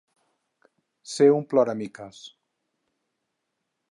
Ser un ploramiques.